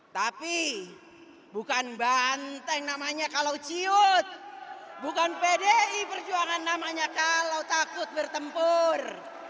tapi bukan banteng namanya kalau ciut bukan pdi perjuangan namanya kalau takut bertempur